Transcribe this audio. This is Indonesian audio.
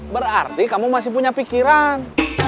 berarti kamu masih punya pikiran